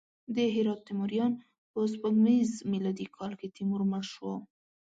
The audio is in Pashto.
د هرات تیموریان: په سپوږمیز میلادي کال کې تیمور مړ شو.